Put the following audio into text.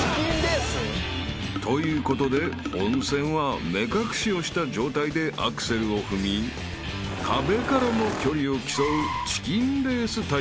［ということで本戦は目隠しをした状態でアクセルを踏み壁からの距離を競うチキンレース対決］